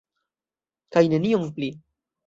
Kaj nenion pli.